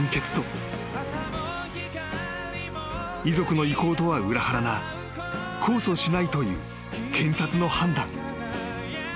［遺族の意向とは裏腹な控訴しないという検察の判断］